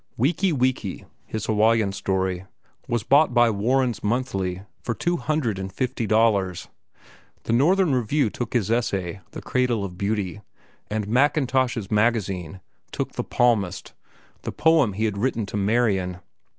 "Wiki Wiki," his Hawaiian short story, was bought by Warren's Monthly for two hundred and fifty dollars. The Northern Review took his essay, "The Cradle of Beauty," and Mackintosh's Magazine took "The Palmist"—the poem he had written to Marian.